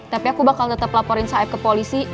tapi aku bakal tetap laporin saif ke polisi